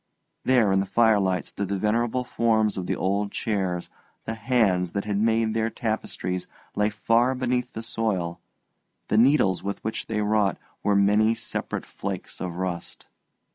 There in the firelight stood the venerable forms of the old chairs; the hands that had made their tapestries lay far beneath the soil, the needles with which they wrought were many separate flakes of rust.